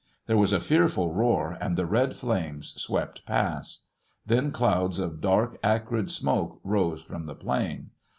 There was a fearful roar and the red flames swept past; then clouds of dark, acrid smoke rose from the plain.